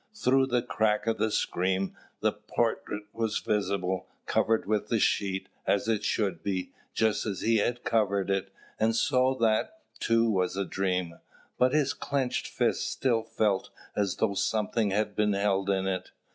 Through the crack of the screen, the portrait was visible, covered with the sheet, as it should be, just as he had covered it. And so that, too, was a dream? But his clenched fist still felt as though something had been held in it.